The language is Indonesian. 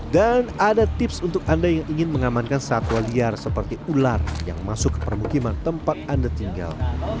dan ada tips untuk anda yang ingin mengamankan satwa liar seperti ular yang masuk ke permukiman tempat anda tinggal